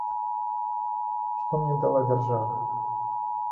Што мне дала дзяржава?